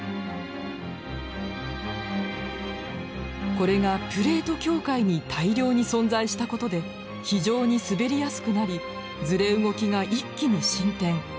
これがプレート境界に大量に存在したことで非常に滑りやすくなりずれ動きが一気に進展。